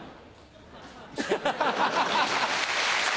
ハハハハ。